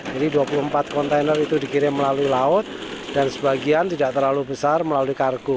jadi dua puluh empat kontainer itu dikirim melalui laut dan sebagian tidak terlalu besar melalui kargo